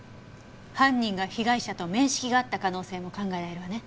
犯人が被害者と面識があった可能性も考えられるわね。